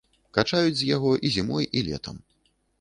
Качаюць з яго і зімой, і летам.